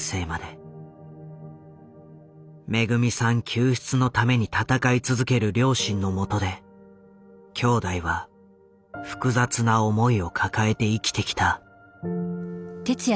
救出のために闘い続ける両親のもとで兄弟は複雑な思いを抱えて生きてきた。